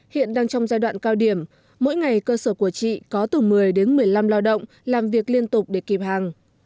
hiện đang trong giai đoạn cao điểm mỗi ngày cơ sở của chị có từ một mươi đến một mươi năm lao động làm việc liên tục để kịp hàng